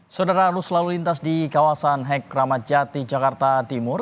saudara arus lalu lintas di kawasan hekramat jati jakarta timur